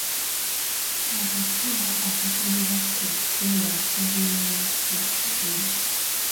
Akatula akakulira ku kkubo kabeera ku kizibu.